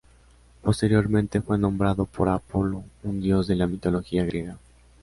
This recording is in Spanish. Posteriormente fue nombrado por Apolo, un dios de la mitología griega.